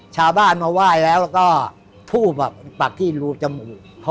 ชาวบ้านมาไหว้แล้วก็ทูบปักที่รูจมูก